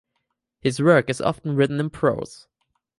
His work is often written in prose.